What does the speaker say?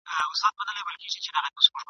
خرڅوم به یې شیدې مستې ارزاني !.